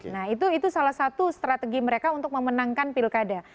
nah itu salah satu strategi mereka untuk memenangkan pilkada